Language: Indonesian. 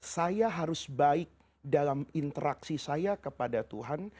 saya harus baik dalam interaksi saya kepada tuhan